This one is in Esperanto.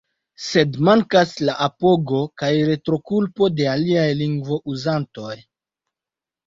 Sed mankas la apogo kaj retrokuplo de aliaj lingvo-uzantoj.